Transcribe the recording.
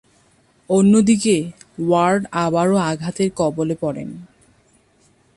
অন্যদিকে ওয়ার্ড আবারও আঘাতের কবলে পড়েন।